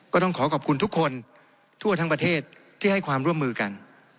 ก็ต้องขอขอบคุณทุกคนทั่วทั้งประเทศที่ให้ความร่วมมือกัน